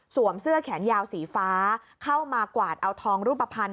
เสื้อแขนยาวสีฟ้าเข้ามากวาดเอาทองรูปภัณฑ์